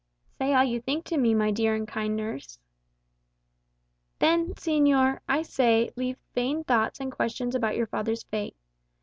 "Say all you think to me, my dear and kind nurse." "Then, señor, I say, leave vain thoughts and questions about your father's fate.